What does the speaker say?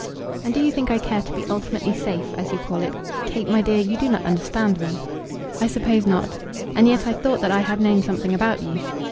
"And do you think I care to be ultimately safe, as you call it? Kate, my dear, you do not understand me." "I suppose not. And yet I thought that I had known something about you."